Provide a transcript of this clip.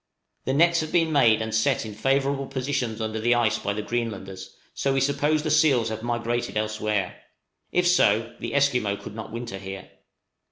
The nets have been made and set in favorable positions under the ice by the Greenlanders, so we suppose the seals also have migrated elsewhere; if so, the Esquimaux could not winter here.